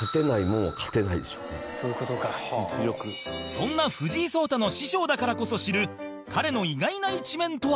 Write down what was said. そんな藤井聡太の師匠だからこそ知る彼の意外な一面とは？